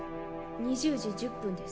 ２０時１０分です